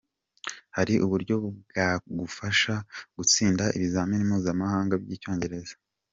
Hari uburyo bwagufasha gutsinda ibizamini mpuzamaganga by’Icyongereza